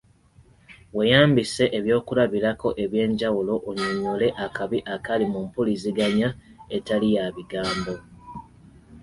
Weeyambise ebyokulabirako eby'enjawulo onnyonnyole akabi akali mu mpuliziganya etali ya bigambo .